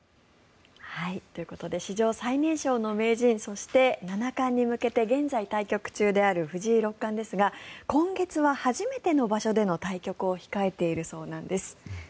史上最年少の名人そして七冠に向けて現在、対局中である藤井六冠ですが今月は初めての場所での対局を控えているそうなんです。